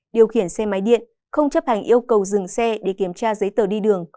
điều khiển xe máy điện không chấp hành yêu cầu dừng xe để kiểm tra giấy tờ đi đường